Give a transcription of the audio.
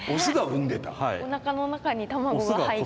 おなかの中に卵が入って。